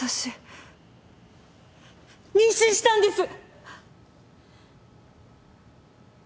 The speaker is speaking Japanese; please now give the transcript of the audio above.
妊娠したんです！